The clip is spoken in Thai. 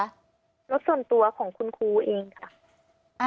รถส่วนตัวของคุณครูเองค่ะ